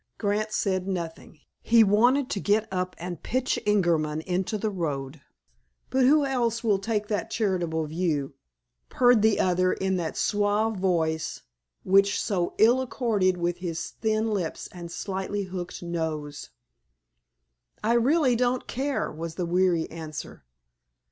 Grant said nothing. He wanted to get up and pitch Ingerman into the road. "But who else will take that charitable view?" purred the other, in that suave voice which so ill accorded with his thin lips and slightly hooked nose. "I really don't care," was the weary answer.